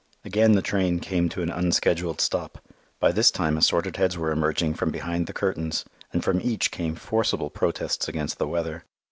Again the train came to an unscheduled stop. By this time assorted heads were emerging from behind the curtains, and from each came forcible protests against the weather.